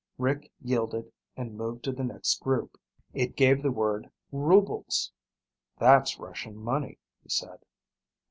Rick yielded and moved to the next group. It gave the word "rubles." "That's Russian money," he said.